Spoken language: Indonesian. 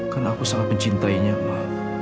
karena aku sangat mencintainya ma